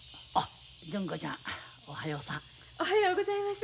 おはようございます。